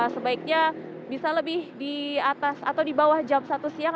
sebaiknya bisa lebih di atas atau di bawah jam satu siang